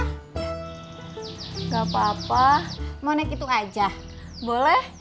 tidak apa apa mau naik itu aja boleh